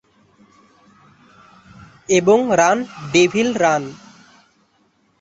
এবং "run devil run".